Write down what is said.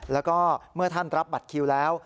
แล้วก็เมื่อท่านรับบัตรคิวแล้ว